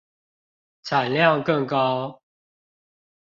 產量更高